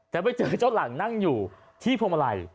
แต่ไปเจอเจ้าหลังนั่งอยู่ที่พวงมาลัย